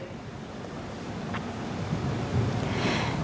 thị xã ninh hòa